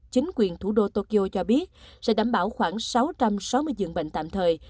chính quyền thủ đô tokyo cho biết sẽ đảm bảo khoảng sáu trăm sáu mươi dường bệnh tạm thời